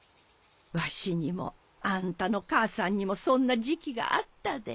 わしにもあんたの母さんにもそんな時期があったで。